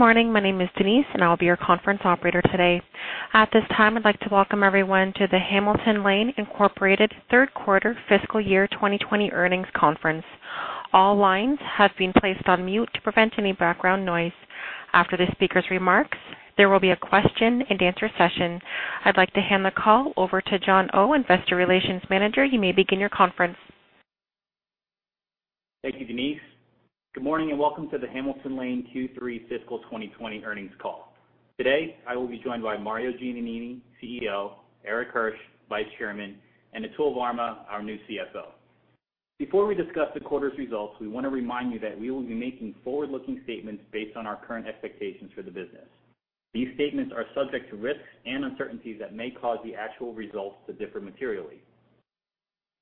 Good morning. My name is Denise, and I'll be your conference operator today. At this time, I'd like to welcome everyone to the Hamilton Lane Incorporated third quarter fiscal year 2020 earnings conference. All lines have been placed on mute to prevent any background noise. After the speaker's remarks, there will be a question-and-answer session. I'd like to hand the call over to John Oh, Investor Relations Manager. You may begin your conference. Thank you, Denise. Good morning, and welcome to the Hamilton Lane Q3 fiscal 2020 earnings call. Today, I will be joined by Mario Giannini, CEO, Erik Hirsch, Vice Chairman, and Atul Varma, our new CFO. Before we discuss the quarter's results, we want to remind you that we will be making forward-looking statements based on our current expectations for the business. These statements are subject to risks and uncertainties that may cause the actual results to differ materially.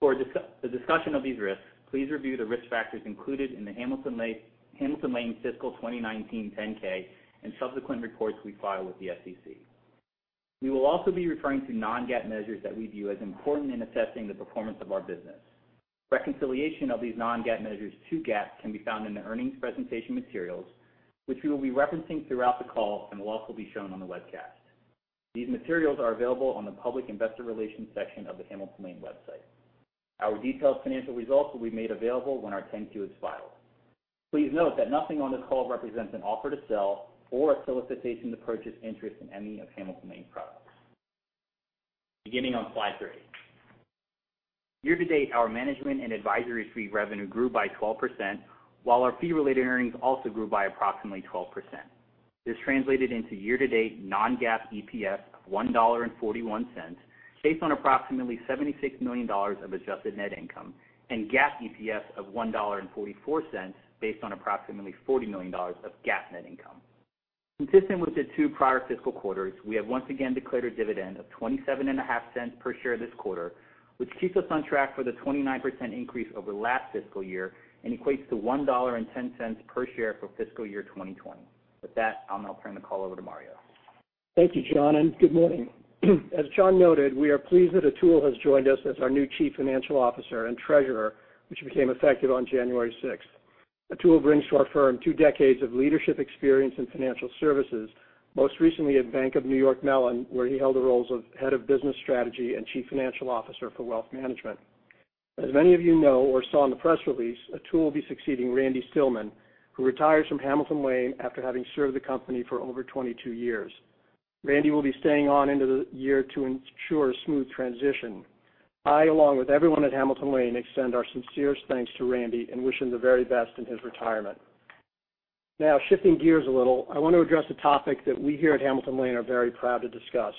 For the discussion of these risks, please review the risk factors included in the Hamilton Lane fiscal twenty nineteen 10-K and subsequent reports we file with the SEC. We will also be referring to non-GAAP measures that we view as important in assessing the performance of our business. Reconciliation of these non-GAAP measures to GAAP can be found in the earnings presentation materials, which we will be referencing throughout the call and will also be shown on the webcast. These materials are available on the public investor relations section of the Hamilton Lane website. Our detailed financial results will be made available when our 10-Q is filed. Please note that nothing on this call represents an offer to sell or a solicitation to purchase interest in any of Hamilton Lane's products. Beginning on slide three. Year to date, our management and advisory fee revenue grew by 12%, while our fee-related earnings also grew by approximately 12%. This translated into year-to-date non-GAAP EPS of $1.41, based on approximately $76 million of adjusted net income, and GAAP EPS of $1.44, based on approximately $40 million of GAAP net income. Consistent with the two prior fiscal quarters, we have once again declared a dividend of $27.50 per share this quarter, which keeps us on track for the 29% increase over last fiscal year and equates to $1.10 per share for fiscal year 2020. With that, I'll now turn the call over to Mario. Thank you, John, and good morning. As John noted, we are pleased that Atul has joined us as our new Chief Financial Officer and Treasurer, which became effective on January sixth. Atul brings to our firm two decades of leadership experience in financial services, most recently at Bank of New York Mellon, where he held the roles of Head of Business Strategy and Chief Financial Officer for Wealth Management. As many of you know or saw in the press release, Atul will be succeeding Randy Stillman, who retires from Hamilton Lane after having served the company for over 22 years. Randy will be staying on into the year to ensure a smooth transition. I, along with everyone at Hamilton Lane, extend our sincerest thanks to Randy and wish him the very best in his retirement. Now, shifting gears a little, I want to address a topic that we here at Hamilton Lane are very proud to discuss.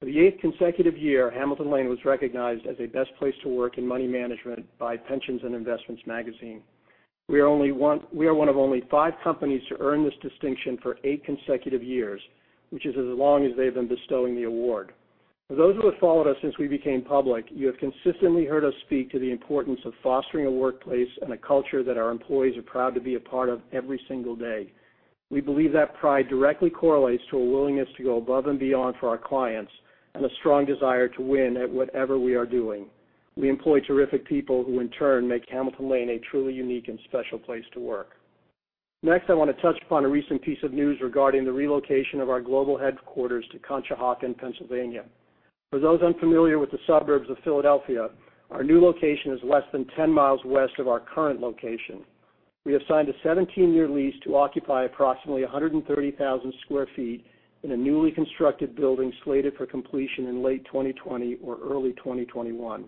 For the eighth consecutive year, Hamilton Lane was recognized as a best place to work in money management by Pensions & Investments magazine. We are one of only five companies to earn this distinction for eight consecutive years, which is as long as they've been bestowing the award. For those who have followed us since we became public, you have consistently heard us speak to the importance of fostering a workplace and a culture that our employees are proud to be a part of every single day. We believe that pride directly correlates to a willingness to go above and beyond for our clients and a strong desire to win at whatever we are doing. We employ terrific people, who in turn make Hamilton Lane a truly unique and special place to work. Next, I want to touch upon a recent piece of news regarding the relocation of our global headquarters to Conshohocken, Pennsylvania. For those unfamiliar with the suburbs of Philadelphia, our new location is less than 10 miles west of our current location. We have signed a 17-year lease to occupy approximately 130,000 sq ft in a newly constructed building slated for completion in late 2020 or early 2021.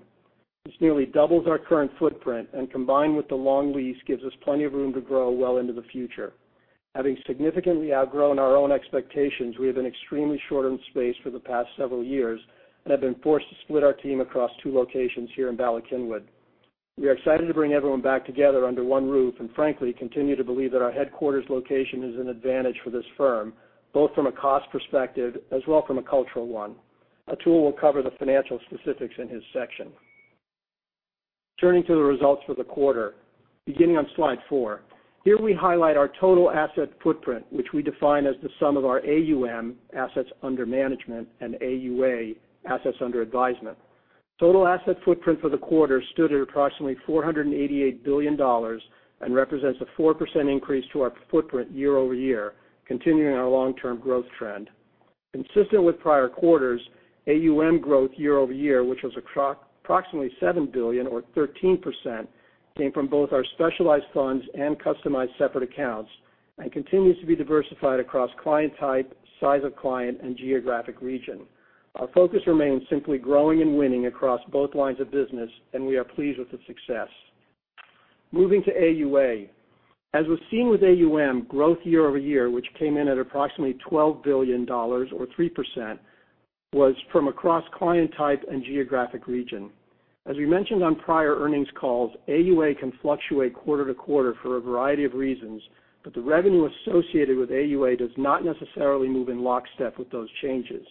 This nearly doubles our current footprint, and combined with the long lease, gives us plenty of room to grow well into the future. Having significantly outgrown our own expectations, we have been extremely short on space for the past several years and have been forced to split our team across two locations here in Bala Cynwyd. We are excited to bring everyone back together under one roof, and frankly, continue to believe that our headquarters location is an advantage for this firm, both from a cost perspective as well from a cultural one. Atul will cover the financial specifics in his section. Turning to the results for the quarter, beginning on slide four. Here we highlight our total asset footprint, which we define as the sum of our AUM, assets under management, and AUA, assets under advisement. Total asset footprint for the quarter stood at approximately $488 billion and represents a 4% increase to our footprint year over year, continuing our long-term growth trend. Consistent with prior quarters, AUM growth year over year, which was approximately $7 billion or 13%, came from both our specialized funds and customized separate accounts and continues to be diversified across client type, size of client, and geographic region. Our focus remains simply growing and winning across both lines of business, and we are pleased with the success. Moving to AUA. As was seen with AUM, growth year over year, which came in at approximately $12 billion or 3%, was from across client type and geographic region. As we mentioned on prior earnings calls, AUA can fluctuate quarter to quarter for a variety of reasons, but the revenue associated with AUA does not necessarily move in lockstep with those changes.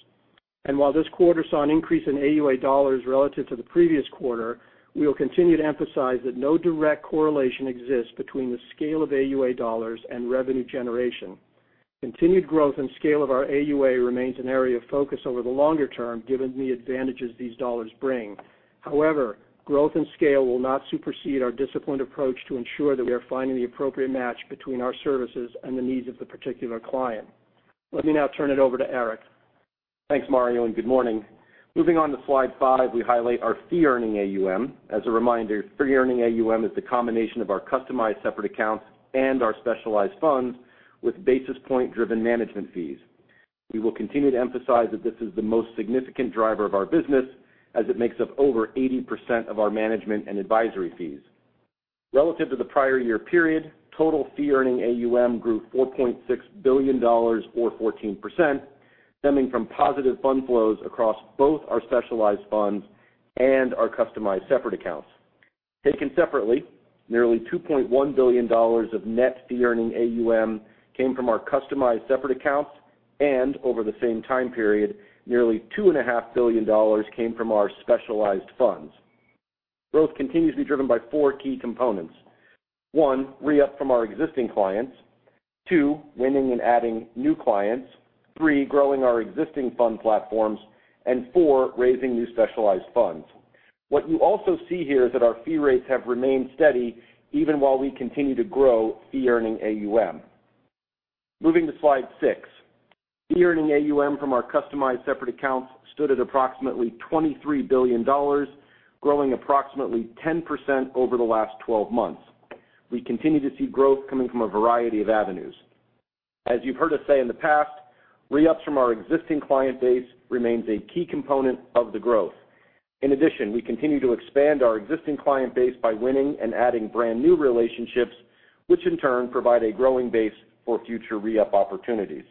While this quarter saw an increase in AUA dollars relative to the previous quarter, we will continue to emphasize that no direct correlation exists between the scale of AUA dollars and revenue generation. Continued growth and scale of our AUA remains an area of focus over the longer term, given the advantages these dollars bring.... However, growth and scale will not supersede our disciplined approach to ensure that we are finding the appropriate match between our services and the needs of the particular client. Let me now turn it over to Erik. Thanks, Mario, and good morning. Moving on to slide five, we highlight our fee-earning AUM. As a reminder, fee-earning AUM is the combination of our customized separate accounts and our specialized funds with basis point-driven management fees. We will continue to emphasize that this is the most significant driver of our business, as it makes up over 80% of our management and advisory fees. Relative to the prior year period, total fee-earning AUM grew $4.6 billion or 14%, stemming from positive fund flows across both our specialized funds and our customized separate accounts. Taken separately, nearly $2.1 billion of net fee-earning AUM came from our customized separate accounts, and over the same time period, nearly $2.5 billion came from our specialized funds. Growth continues to be driven by four key components. One, re-up from our existing clients. Two, winning and adding new clients. Three, growing our existing fund platforms. And four, raising new specialized funds. What you also see here is that our fee rates have remained steady even while we continue to grow fee-earning AUM. Moving to slide 6. Fee-earning AUM from our customized separate accounts stood at approximately $23 billion, growing approximately 10% over the last 12 months. We continue to see growth coming from a variety of avenues. As you've heard us say in the past, re-ups from our existing client base remains a key component of the growth. In addition, we continue to expand our existing client base by winning and adding brand-new relationships, which in turn provide a growing base for future re-up opportunities.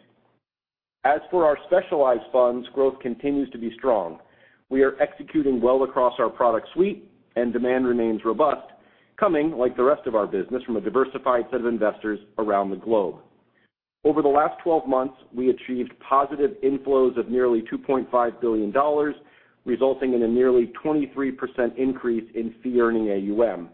As for our specialized funds, growth continues to be strong. We are executing well across our product suite, and demand remains robust, coming, like the rest of our business, from a diversified set of investors around the globe. Over the last 12 months, we achieved positive inflows of nearly $2.5 billion, resulting in a nearly 23% increase in fee-earning AUM.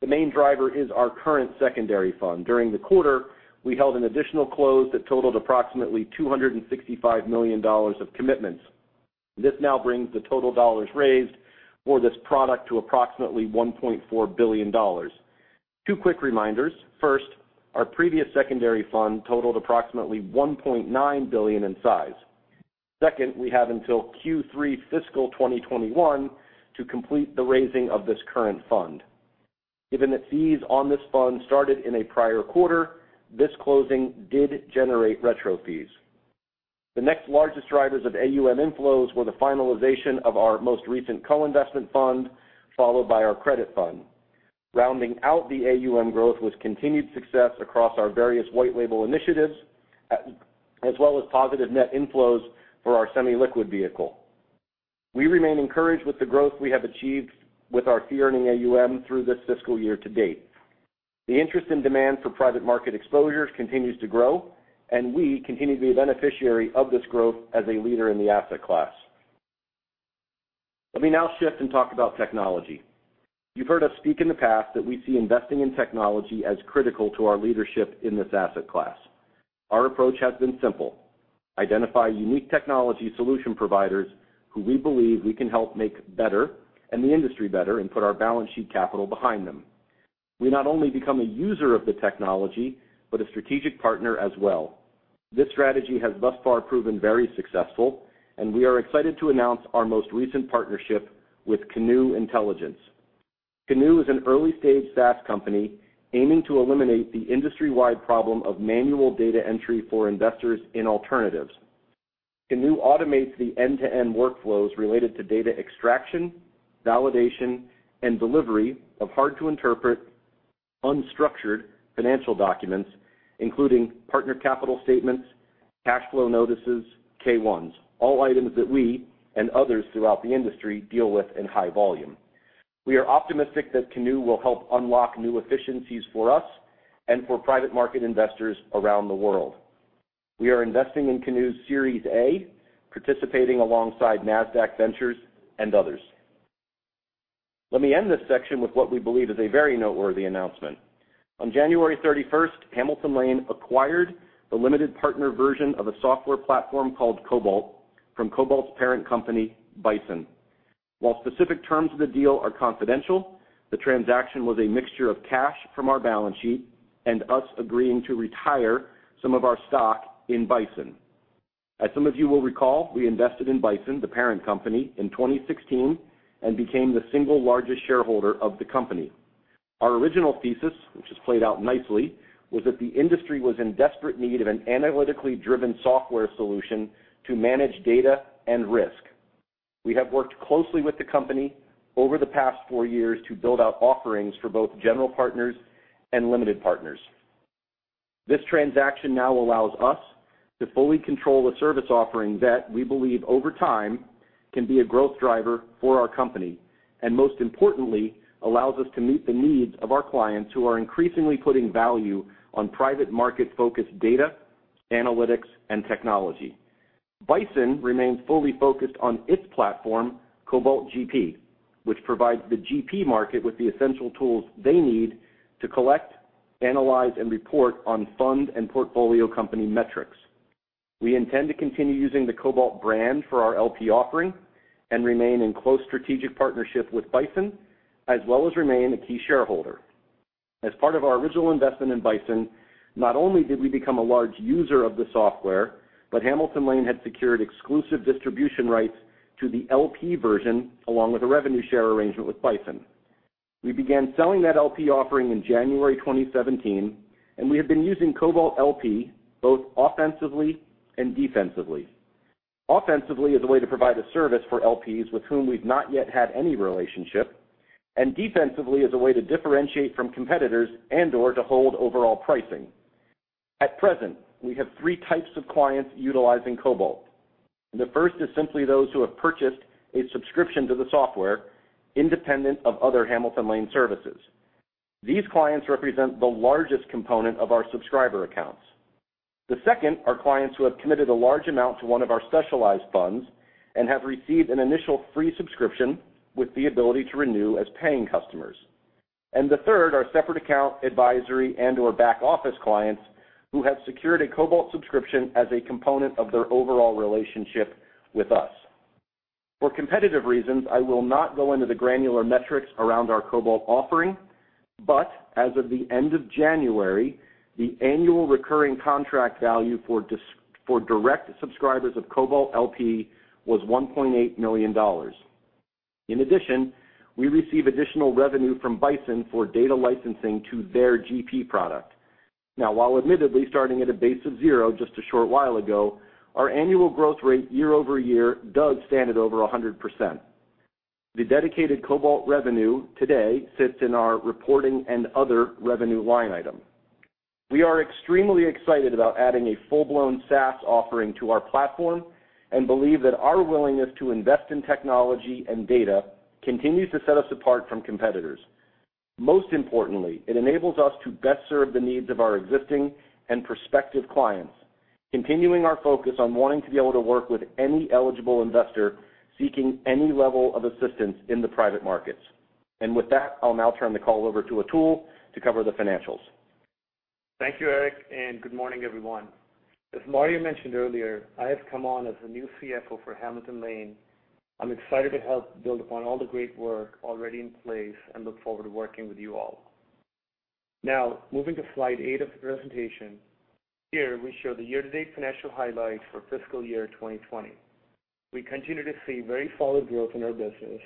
The main driver is our current secondary fund. During the quarter, we held an additional close that totaled approximately $265 million of commitments. This now brings the total dollars raised for this product to approximately $1.4 billion. Two quick reminders. First, our previous secondary fund totaled approximately $1.9 billion in size. Second, we have until Q3 fiscal 2021 to complete the raising of this current fund. Given that fees on this fund started in a prior quarter, this closing did generate retro fees. The next largest drivers of AUM inflows were the finalization of our most recent co-investment fund, followed by our credit fund. Rounding out the AUM growth was continued success across our various white label initiatives, as well as positive net inflows for our semi-liquid vehicle. We remain encouraged with the growth we have achieved with our fee-earning AUM through this fiscal year to date. The interest and demand for private market exposure continues to grow, and we continue to be a beneficiary of this growth as a leader in the asset class. Let me now shift and talk about technology. You've heard us speak in the past that we see investing in technology as critical to our leadership in this asset class. Our approach has been simple: identify unique technology solution providers who we believe we can help make better and the industry better, and put our balance sheet capital behind them. We not only become a user of the technology, but a strategic partner as well. This strategy has thus far proven very successful, and we are excited to announce our most recent partnership with Canoe Intelligence. Canoe is an early-stage SaaS company aiming to eliminate the industry-wide problem of manual data entry for investors in alternatives. Canoe automates the end-to-end workflows related to data extraction, validation, and delivery of hard-to-interpret, unstructured financial documents, including partner capital statements, cash flow notices, K-1s, all items that we and others throughout the industry deal with in high volume. We are optimistic that Canoe will help unlock new efficiencies for us and for private market investors around the world. We are investing in Canoe's Series A, participating alongside Nasdaq Ventures and others. Let me end this section with what we believe is a very noteworthy announcement. On January 31, Hamilton Lane acquired the limited partner version of a software platform called Cobalt from Cobalt's parent company, Bison. While specific terms of the deal are confidential, the transaction was a mixture of cash from our balance sheet and us agreeing to retire some of our stock in Bison. As some of you will recall, we invested in Bison, the parent company, in 2016, and became the single largest shareholder of the company. Our original thesis, which has played out nicely, was that the industry was in desperate need of an analytically driven software solution to manage data and risk. We have worked closely with the company over the past four years to build out offerings for both general partners and limited partners. This transaction now allows us to fully control a service offering that we believe, over time, can be a growth driver for our company, and most importantly, allows us to meet the needs of our clients, who are increasingly putting value on private market-focused data, analytics, and technology. Bison remains fully focused on its platform, Cobalt GP, which provides the GP market with the essential tools they need to collect, analyze, and report on fund and portfolio company metrics. We intend to continue using the Cobalt brand for our LP offering and remain in close strategic partnership with Bison, as well as remain a key shareholder. As part of our original investment in Bison, not only did we become a large user of the software, but Hamilton Lane had secured exclusive distribution rights to the LP version, along with a revenue share arrangement with Bison. We began selling that LP offering in January 2017, and we have been using Cobalt LP both offensively and defensively. Offensively, as a way to provide a service for LPs with whom we've not yet had any relationship, and defensively, as a way to differentiate from competitors and/or to hold overall pricing. At present, we have three types of clients utilizing Cobalt. The first is simply those who have purchased a subscription to the software independent of other Hamilton Lane services. These clients represent the largest component of our subscriber accounts. The second are clients who have committed a large amount to one of our specialized funds and have received an initial free subscription with the ability to renew as paying customers. The third are separate account advisory and/or back office clients who have secured a Cobalt subscription as a component of their overall relationship with us. For competitive reasons, I will not go into the granular metrics around our Cobalt offering, but as of the end of January, the annual recurring contract value for direct subscribers of Cobalt LP was $1.8 million. In addition, we receive additional revenue from Bison for data licensing to their GP product. Now, while admittedly starting at a base of zero just a short while ago, our annual growth rate year over year does stand at over 100%. The dedicated Cobalt revenue today sits in our reporting and other revenue line item. We are extremely excited about adding a full-blown SaaS offering to our platform and believe that our willingness to invest in technology and data continues to set us apart from competitors. Most importantly, it enables us to best serve the needs of our existing and prospective clients, continuing our focus on wanting to be able to work with any eligible investor seeking any level of assistance in the private markets, and with that, I'll now turn the call over to Atul to cover the financials. Thank you, Erik, and good morning, everyone. As Mario mentioned earlier, I have come on as the new CFO for Hamilton Lane. I'm excited to help build upon all the great work already in place and look forward to working with you all. Now, moving to slide eight of the presentation, here we show the year-to-date financial highlights for fiscal year 2020. We continue to see very solid growth in our business,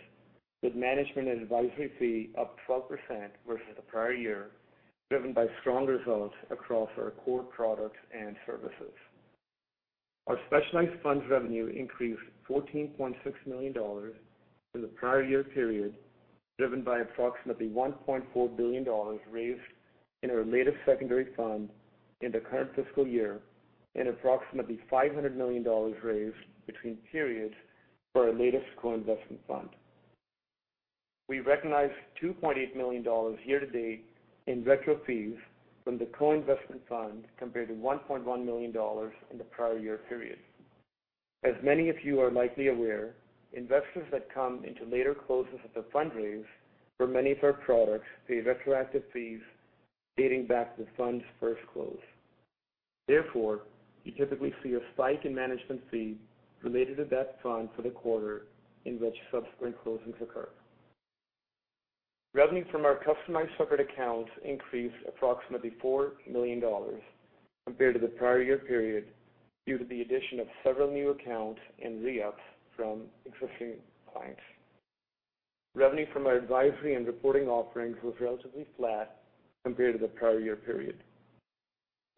with management and advisory fee up 12% versus the prior year, driven by strong results across our core products and services. Our specialized funds revenue increased $14.6 million from the prior year period, driven by approximately $1.4 billion raised in our latest secondary fund in the current fiscal year and approximately $500 million raised between periods for our latest co-investment fund. We recognized $2.8 million year to date in retro fees from the co-investment fund, compared to $1.1 million in the prior year period. As many of you are likely aware, investors that come into later closes of the fundraise for many of our products pay retroactive fees dating back to the fund's first close. Therefore, you typically see a spike in management fees related to that fund for the quarter in which subsequent closings occur. Revenue from our Customized Separate Accounts increased approximately $4 million compared to the prior year period, due to the addition of several new accounts and re-ups from existing clients. Revenue from our advisory and reporting offerings was relatively flat compared to the prior year period.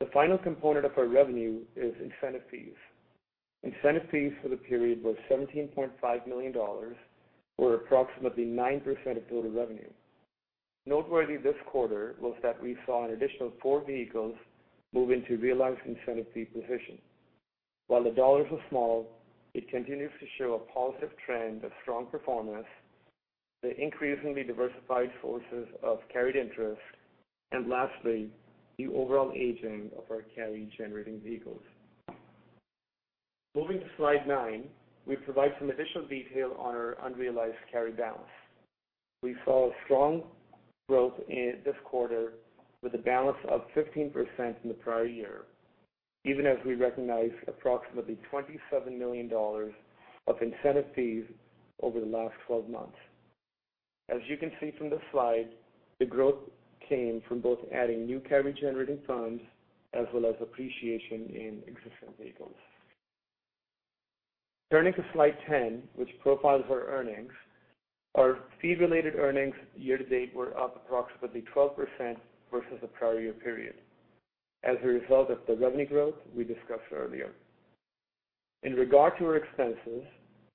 The final component of our revenue is incentive fees. Incentive fees for the period were $17.5 million, or approximately 9% of total revenue. Noteworthy this quarter was that we saw an additional four vehicles move into realized incentive fee position. While the dollars are small, it continues to show a positive trend of strong performance, the increasingly diversified sources of carried interest, and lastly, the overall aging of our carry generating vehicles. Moving to slide nine, we provide some additional detail on our unrealized carry balance. We saw a strong growth in this quarter with a balance of 15% in the prior year, even as we recognized approximately $27 million of incentive fees over the last 12 months. As you can see from the slide, the growth came from both adding new carry generating funds as well as appreciation in existing vehicles. Turning to slide 10, which profiles our earnings, our fee-related earnings year to date were up approximately 12% versus the prior year period as a result of the revenue growth we discussed earlier. In regard to our expenses,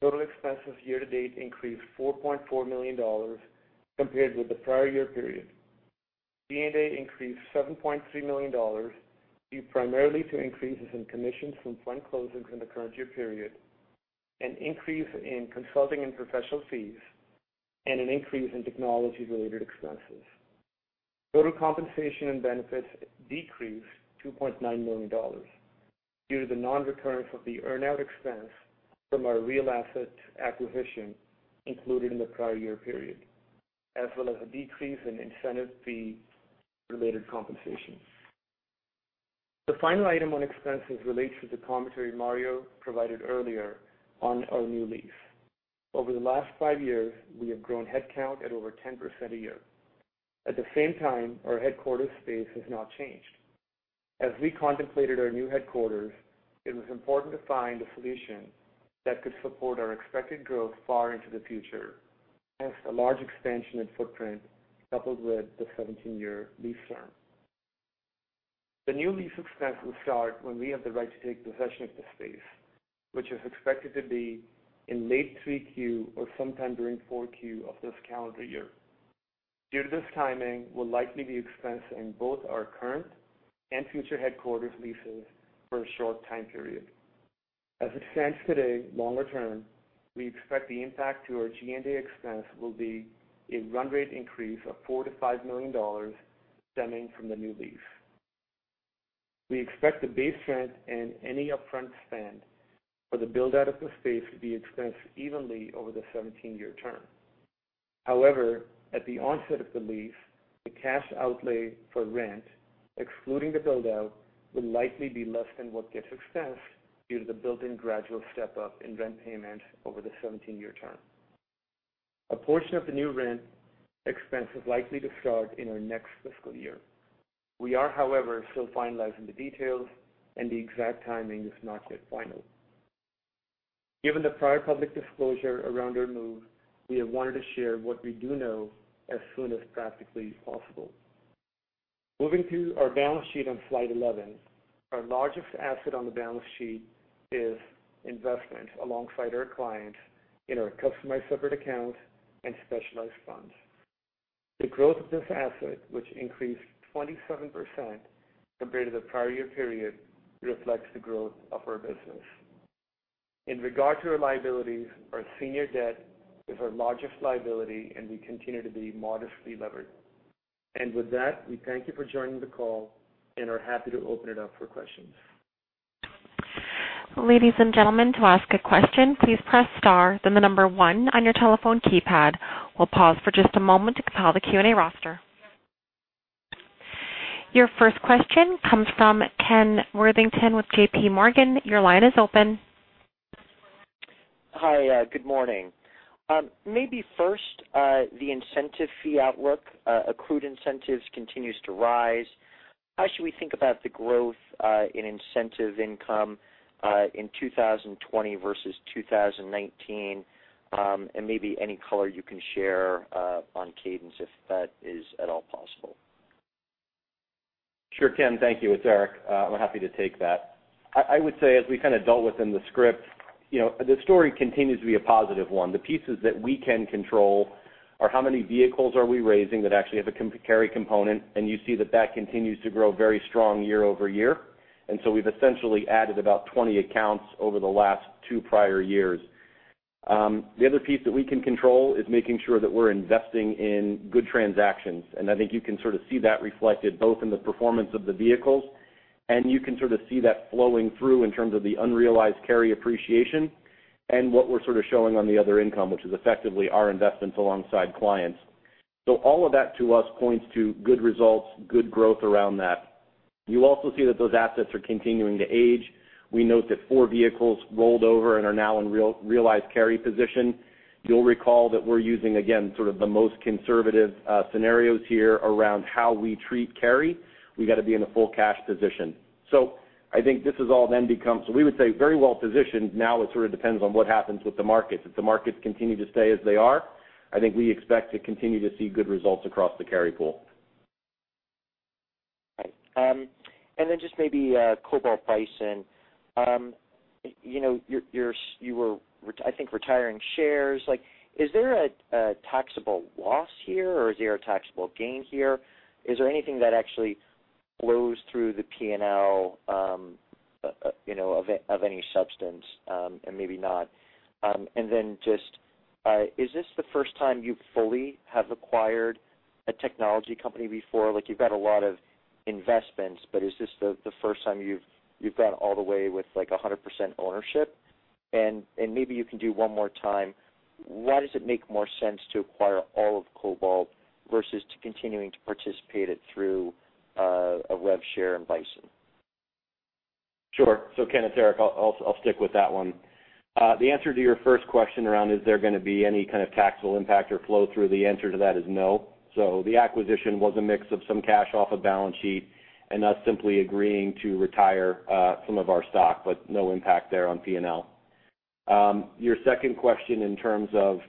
total expenses year to date increased $4.4 million compared with the prior year period. D&A increased $7.3 million, due primarily to increases in commissions from fund closings in the current year period, an increase in consulting and professional fees, and an increase in technology-related expenses. Total compensation and benefits decreased $2.9 million due to the non-recurrence of the earn-out expense from our real asset acquisition included in the prior year period, as well as a decrease in incentive fee-related compensation. The final item on expenses relates to the commentary Mario provided earlier on our new lease. Over the last five years, we have grown headcount at over 10% a year. At the same time, our headquarters space has not changed. As we contemplated our new headquarters, it was important to find a solution that could support our expected growth far into the future, hence a large expansion in footprint, coupled with the 17-year lease term. The new lease expense will start when we have the right to take possession of the space, which is expected to be in late 3Q or sometime during 4Q of this calendar year. Due to this timing, we'll likely be expensing both our current and future headquarters leases for a short time period. As it stands today, longer term, we expect the impact to our G&A expense will be a run rate increase of $4 million-$5 million stemming from the new lease. We expect the base rent and any upfront spend for the build-out of the space to be expensed evenly over the 17-year term. However, at the onset of the lease, the cash outlay for rent, excluding the build-out, will likely be less than what gets expensed due to the built-in gradual step up in rent payment over the 17-year term. A portion of the new rent expense is likely to start in our next fiscal year. We are, however, still finalizing the details, and the exact timing is not yet final. Given the prior public disclosure around our move, we have wanted to share what we do know as soon as practically possible. Moving to our balance sheet on slide 11. Our largest asset on the balance sheet is investment alongside our clients in our customized separate account and specialized funds. The growth of this asset, which increased 27% compared to the prior year period, reflects the growth of our business. In regard to our liabilities, our senior debt is our largest liability, and we continue to be modestly levered. And with that, we thank you for joining the call and are happy to open it up for questions. Ladies and gentlemen, to ask a question, please press star, then the number one on your telephone keypad. We'll pause for just a moment to compile the Q&A roster. Your first question comes from Ken Worthington with J.P. Morgan. Your line is open. Hi, good morning. Maybe first, the incentive fee outlook, accrued incentives continues to rise. How should we think about the growth in incentive income in 2020 versus 2019? And maybe any color you can share on cadence, if that is at all possible. Sure, Ken. Thank you. It's Erik. I'm happy to take that. I, I would say, as we kind of dealt with in the script, you know, the story continues to be a positive one. The pieces that we can control are how many vehicles are we raising that actually have a carry component, and you see that that continues to grow very strong year over year. And so we've essentially added about 20 accounts over the last two prior years. The other piece that we can control is making sure that we're investing in good transactions. And I think you can sort of see that reflected both in the performance of the vehicles, and you can sort of see that flowing through in terms of the unrealized carry appreciation and what we're sort of showing on the other income, which is effectively our investments alongside clients. So all of that, to us, points to good results, good growth around that. You also see that those assets are continuing to age. We note that four vehicles rolled over and are now in realized carry position. You'll recall that we're using, again, sort of the most conservative scenarios here around how we treat carry. We got to be in a full cash position. So I think this has all then become... So we would say very well positioned. Now, it sort of depends on what happens with the markets. If the markets continue to stay as they are, I think we expect to continue to see good results across the carry pool. Right. And then just maybe, Cobalt Bison. You know, you were, I think, retiring shares. Like, is there a taxable loss here, or is there a taxable gain here? Is there anything that actually flows through the PNL, you know, of any substance, and maybe not? And then just, is this the first time you fully have acquired a technology company before? Like, you've had a lot of investments, but is this the first time you've gone all the way with, like, 100% ownership? And maybe you can do one more time, why does it make more sense to acquire all of Cobalt versus continuing to participate it through a rev share in Bison? Sure. So Ken, it's Erik. I'll stick with that one. The answer to your first question around, is there gonna be any kind of taxable impact or flow through? The answer to that is no. So the acquisition was a mix of some cash off the balance sheet and us simply agreeing to retire some of our stock, but no impact there on PNL. Your second question in terms of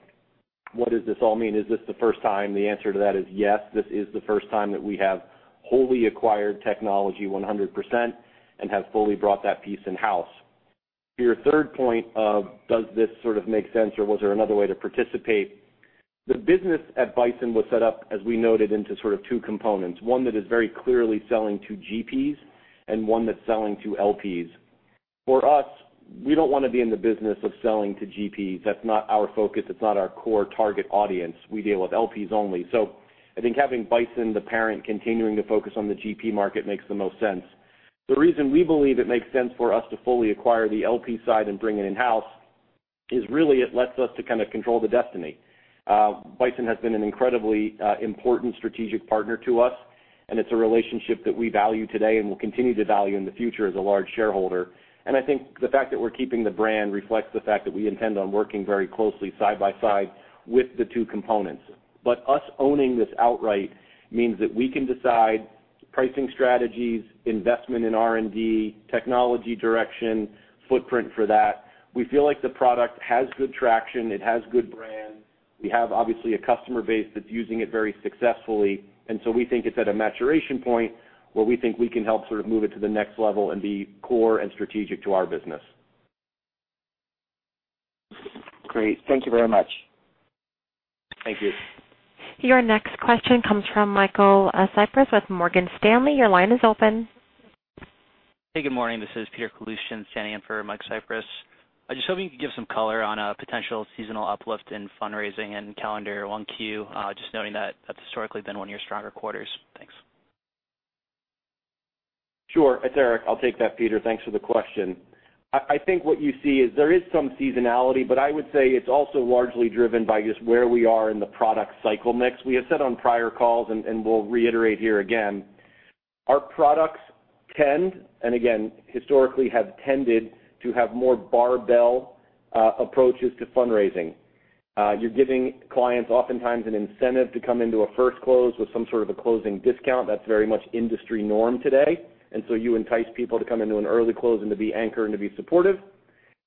what does this all mean? Is this the first time? The answer to that is yes, this is the first time that we have wholly acquired technology 100% and have fully brought that piece in-house. To your third point of, does this sort of make sense, or was there another way to participate? The business at Bison was set up, as we noted, into sort of two components, one that is very clearly selling to GPs and one that's selling to LPs. For us, we don't want to be in the business of selling to GPs. That's not our focus. It's not our core target audience. We deal with LPs only. So I think having Bison, the parent, continuing to focus on the GP market makes the most sense. The reason we believe it makes sense for us to fully acquire the LP side and bring it in-house, is really it lets us to kind of control the destiny. Bison has been an incredibly important strategic partner to us, and it's a relationship that we value today and will continue to value in the future as a large shareholder. I think the fact that we're keeping the brand reflects the fact that we intend on working very closely side by side with the two components. Us owning this outright means that we can decide pricing strategies, investment in R&D, technology direction, footprint for that. We feel like the product has good traction. It has good brand. We have, obviously, a customer base that's using it very successfully, and so we think it's at a maturation point where we think we can help sort of move it to the next level and be core and strategic to our business. Great. Thank you very much. Thank you. Your next question comes from Michael Cyprys with Morgan Stanley. Your line is open. Hey, good morning. This is Peter Koulousjian standing in for Mike Cyprys. I was just hoping you could give some color on a potential seasonal uplift in fundraising and calendar on Q. Just noting that that's historically been one of your stronger quarters. Thanks. Sure. It's Erik, I'll take that, Peter. Thanks for the question. I think what you see is there is some seasonality, but I would say it's also largely driven by just where we are in the product cycle mix. We have said on prior calls, and we'll reiterate here again, our products tend, and again, historically have tended to have more barbell approaches to fundraising. You're giving clients oftentimes an incentive to come into a first close with some sort of a closing discount. That's very much industry norm today, and so you entice people to come into an early close and to be anchor and to be supportive.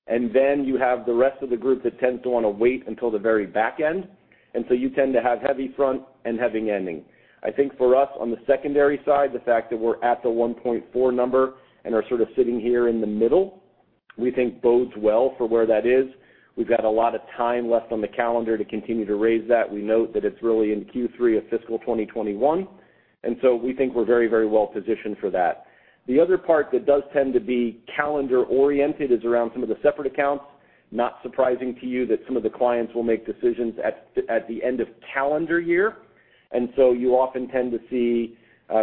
And then you have the rest of the group that tends to want to wait until the very back end, and so you tend to have heavy front and heavy ending. I think for us, on the secondary side, the fact that we're at the one point four number and are sort of sitting here in the middle, we think bodes well for where that is. We've got a lot of time left on the calendar to continue to raise that. We note that it's really in Q3 of fiscal 2021, and so we think we're very, very well positioned for that. The other part that does tend to be calendar-oriented is around some of the separate accounts. Not surprising to you that some of the clients will make decisions at the end of calendar year, and so you often tend to see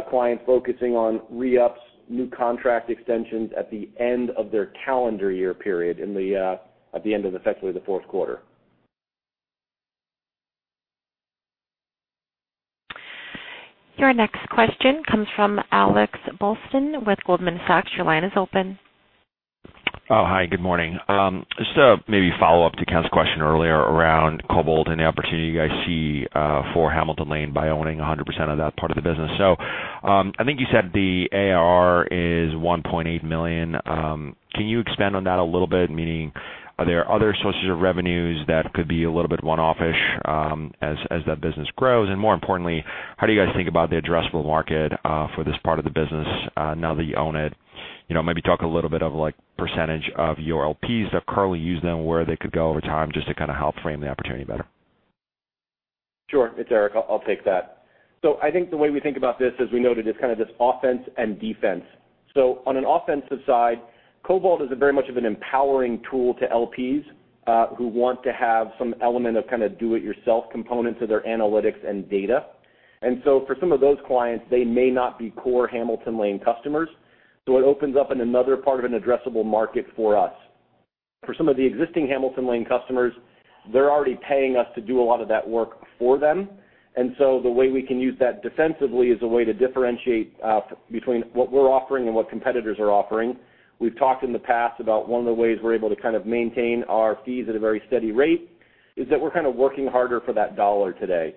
clients focusing on re-ups, new contract extensions at the end of their calendar year period, at the end of, effectively, the fourth quarter. Your next question comes from Alex Blostein with Goldman Sachs. Your line is open. Oh, hi, good morning. Just a maybe follow-up to Ken's question earlier around Cobalt and the opportunity you guys see for Hamilton Lane by owning 100% of that part of the business. So, I think you said the ARR is $1.8 million. Can you expand on that a little bit? Meaning, are there other sources of revenues that could be a little bit one-offish as that business grows? And more importantly, how do you guys think about the addressable market for this part of the business now that you own it? You know, maybe talk a little bit of, like, percentage of your LPs that currently use them, where they could go over time just to kind of help frame the opportunity better. Sure. It's Erik, I'll take that. So I think the way we think about this, as we noted, is kind of this offense and defense. So on an offensive side, Cobalt is a very much of an empowering tool to LPs, who want to have some element of kind of do-it-yourself component to their analytics and data. And so for some of those clients, they may not be core Hamilton Lane customers, so it opens up another part of an addressable market for us. For some of the existing Hamilton Lane customers, they're already paying us to do a lot of that work for them. And so the way we can use that defensively is a way to differentiate between what we're offering and what competitors are offering. We've talked in the past about one of the ways we're able to kind of maintain our fees at a very steady rate is that we're kind of working harder for that dollar today.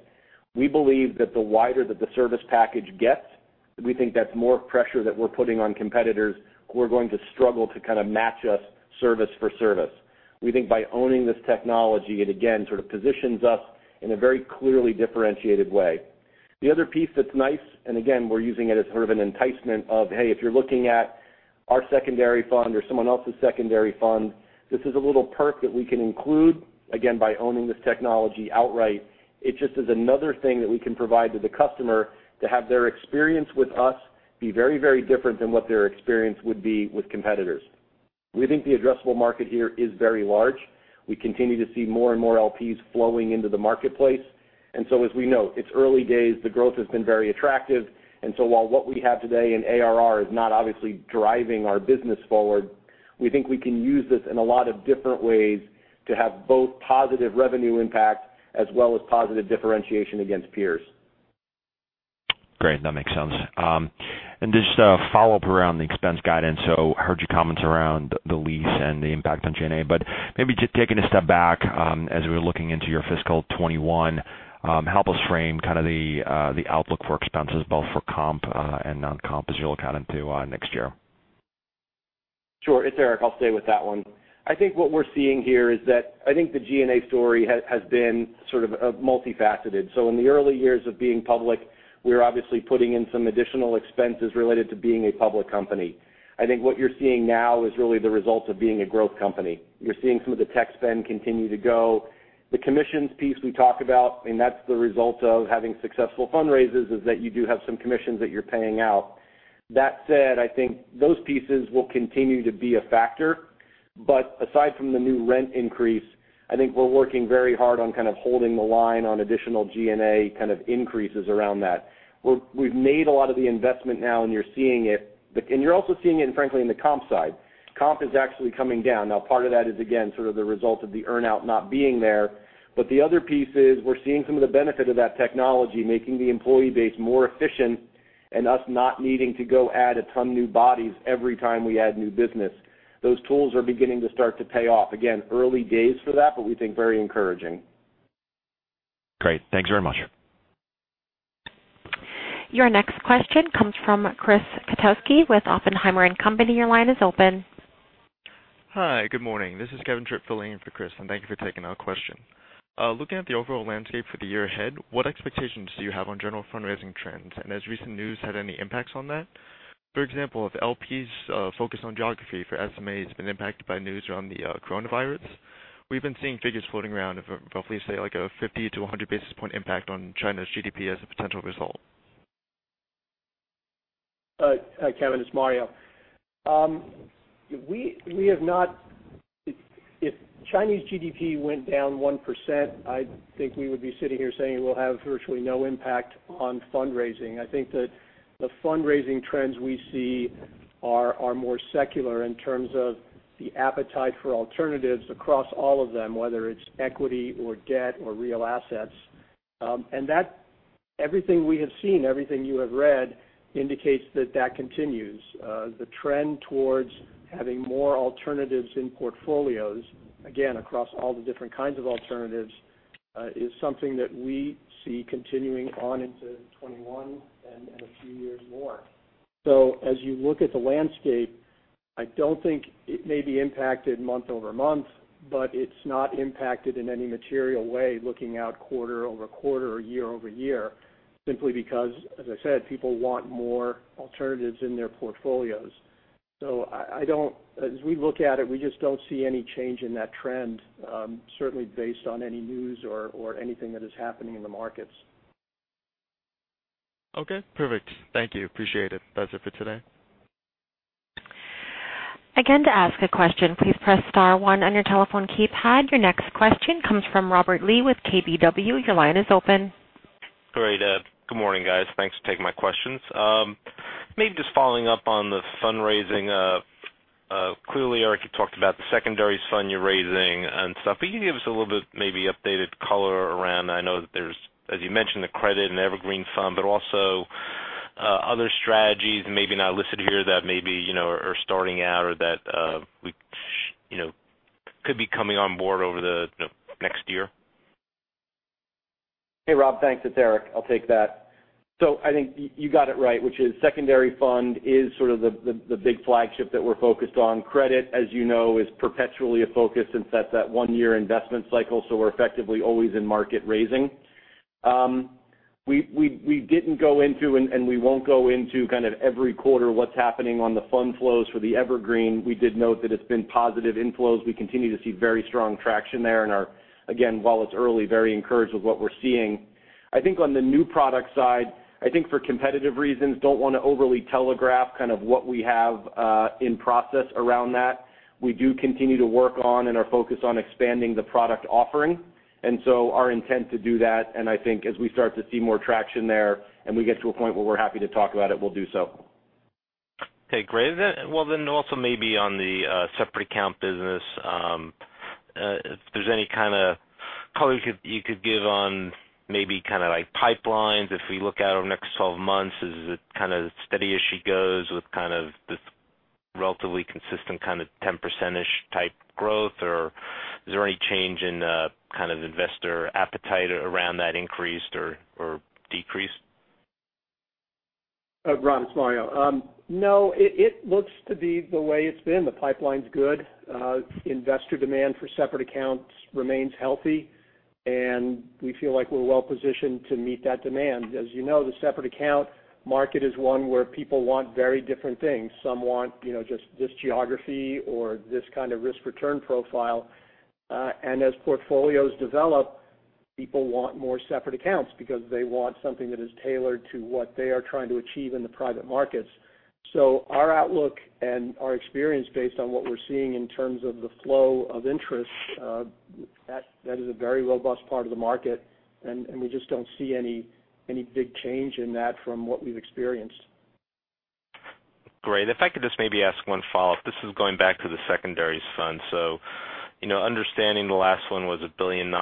We believe that the wider that the service package gets. We think that's more pressure that we're putting on competitors, who are going to struggle to kind of match us service for service. We think by owning this technology, it again, sort of positions us in a very clearly differentiated way. The other piece that's nice, and again, we're using it as sort of an enticement of, hey, if you're looking at our secondary fund or someone else's secondary fund, this is a little perk that we can include, again, by owning this technology outright. It just is another thing that we can provide to the customer to have their experience with us be very, very different than what their experience would be with competitors. We think the addressable market here is very large. We continue to see more and more LPs flowing into the marketplace. And so as we know, it's early days, the growth has been very attractive, and so while what we have today in ARR is not obviously driving our business forward, we think we can use this in a lot of different ways to have both positive revenue impact as well as positive differentiation against peers. Great, that makes sense, and just a follow-up around the expense guidance, so I heard your comments around the lease and the impact on G&A, but maybe just taking a step back, as we're looking into your fiscal twenty-one, help us frame kind of the outlook for expenses, both for comp and non-comp, as you're looking into next year. Sure. It's Erik. I'll stay with that one. I think what we're seeing here is that I think the G&A story has been sort of a multifaceted. So in the early years of being public, we're obviously putting in some additional expenses related to being a public company. I think what you're seeing now is really the results of being a growth company. You're seeing some of the tech spend continue to go. The commissions piece we talked about, and that's the result of having successful fundraisers, is that you do have some commissions that you're paying out. That said, I think those pieces will continue to be a factor. But aside from the new rent increase, I think we're working very hard on kind of holding the line on additional G&A kind of increases around that. We've made a lot of the investment now, and you're seeing it. But, and you're also seeing it, frankly, in the comp side. Comp is actually coming down. Now, part of that is, again, sort of the result of the earn-out not being there. But the other piece is we're seeing some of the benefit of that technology, making the employee base more efficient and us not needing to go add a ton of new bodies every time we add new business. Those tools are beginning to start to pay off. Again, early days for that, but we think very encouraging. Great. Thanks very much. Your next question comes from Chris Kotowski, with Oppenheimer and Company. Your line is open. Hi, good morning. This is Kevin Deipp filling in for Chris, and thank you for taking our question. Looking at the overall landscape for the year ahead, what expectations do you have on general fundraising trends? And has recent news had any impacts on that? For example, if LPs focus on geography for SMAs been impacted by news around the coronavirus. We've been seeing figures floating around of roughly, say, like a 50-100 basis point impact on China's GDP as a potential result. Kevin, it's Mario. We have not. If Chinese GDP went down 1%, I think we would be sitting here saying we'll have virtually no impact on fundraising. I think that the fundraising trends we see are more secular in terms of the appetite for alternatives across all of them, whether it's equity or debt or real assets, and that everything we have seen, everything you have read, indicates that continues. The trend towards having more alternatives in portfolios, again, across all the different kinds of alternatives, is something that we see continuing on into 2021 and a few years more. So as you look at the landscape, I don't think it may be impacted month over month, but it's not impacted in any material way, looking out quarter over quarter or year over year, simply because, as I said, people want more alternatives in their portfolios. So I don't, as we look at it, we just don't see any change in that trend, certainly based on any news or anything that is happening in the markets. Okay, perfect. Thank you. Appreciate it. That's it for today. Again, to ask a question, please press star one on your telephone keypad. Your next question comes from Robert Lee with KBW. Your line is open. Great. Good morning, guys. Thanks for taking my questions. Maybe just following up on the fundraising. Clearly, Erik, you talked about the secondary fund you're raising and stuff, but can you give us a little bit, maybe updated color around... I know that there's, as you mentioned, the credit and Evergreen fund, but also, other strategies maybe not listed here that maybe, you know, are starting out or that, we, you know, could be coming on board over the next year. Hey, Rob, thanks. It's Erik, I'll take that. So I think you got it right, which is Secondary Fund is sort of the big flagship that we're focused on. Credit, as you know, is perpetually a focus since that's that one-year investment cycle, so we're effectively always in market raising. We didn't go into, and we won't go into kind of every quarter what's happening on the fund flows for the Evergreen. We did note that it's been positive inflows. We continue to see very strong traction there and are, again, while it's early, very encouraged with what we're seeing. I think on the new product side, I think for competitive reasons, don't wanna overly telegraph kind of what we have in process around that. We do continue to work on and are focused on expanding the product offering, and so our intent to do that, and I think as we start to see more traction there, and we get to a point where we're happy to talk about it, we'll do so. Okay, great. Well, then also maybe on the separate account business, if there's any kind of color you could give on maybe kind of like pipelines, if we look out over the next 12 months, is it kind of steady as she goes with kind of this relatively consistent kind of 10%-ish type growth, or is there any change in kind of investor appetite around that increased or decreased? Rob, it's Mario. No, it looks to be the way it's been. The pipeline's good. Investor demand for separate accounts remains healthy, and we feel like we're well positioned to meet that demand. As you know, the separate account market is one where people want very different things. Some want, you know, just this geography or this kind of risk-return profile, and as portfolios develop, people want more separate accounts because they want something that is tailored to what they are trying to achieve in the private markets. So our outlook and our experience, based on what we're seeing in terms of the flow of interest, that is a very robust part of the market, and we just don't see any big change in that from what we've experienced. Great. If I could just maybe ask one follow-up. This is going back to the secondary fund. So, you know, understanding the last one was $1.9 billion,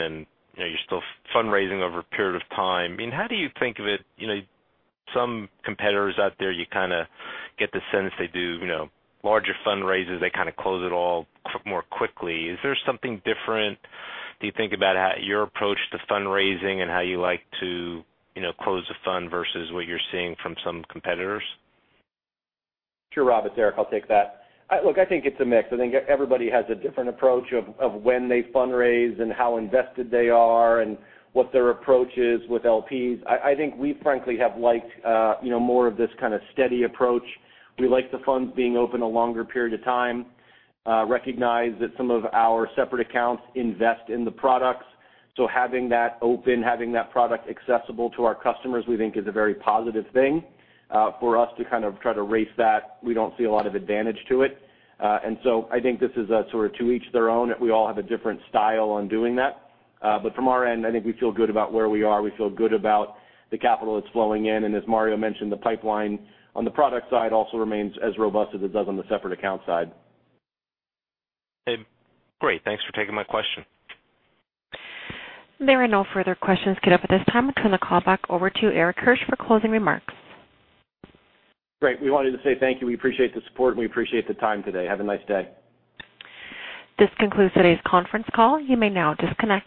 and, you know, you're still fundraising over a period of time. I mean, how do you think of it? You know, some competitors out there, you kinda get the sense they do, you know, larger fundraisers, they kinda close it all more quickly. Is there something different, do you think, about how your approach to fundraising and how you like to, you know, close a fund versus what you're seeing from some competitors? Sure, Rob, it's Erik. I'll take that. Look, I think it's a mix, and I think everybody has a different approach of when they fundraise and how invested they are and what their approach is with LPs. I think we frankly have liked, you know, more of this kind of steady approach. We like the funds being open a longer period of time, recognize that some of our separate accounts invest in the products, so having that open, having that product accessible to our customers, we think is a very positive thing. For us to kind of try to race that, we don't see a lot of advantage to it. And so I think this is a sort of to each their own, that we all have a different style on doing that. But from our end, I think we feel good about where we are. We feel good about the capital that's flowing in, and as Mario mentioned, the pipeline on the product side also remains as robust as it does on the separate account side. Great. Thanks for taking my question. There are no further questions queued up at this time. I'll turn the call back over to Erik Hirsch for closing remarks. Great. We wanted to say thank you. We appreciate the support, and we appreciate the time today. Have a nice day. This concludes today's conference call. You may now disconnect.